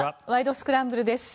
スクランブル」です。